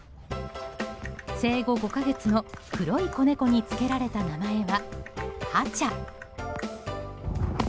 生後５か月の黒い子猫に付けられた名前は「ハチャ」。